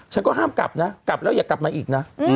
ฉันก็ห้ามกลับนะกลับแล้วอย่ากลับมาอีกนะ